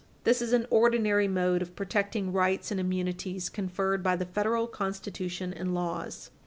This is an ordinary mode of protecting rights and immunities conferred by the Federal Constitution and laws.